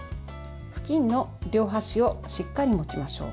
布巾の両端をしっかり持ちましょう。